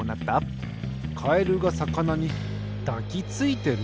カエルがさかなにだきついてる？